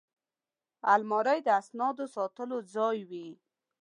الماري د اسنادو ساتلو ځای وي